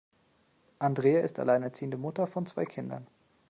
Andrea ist alleinerziehende Mutter von zwei Kindern.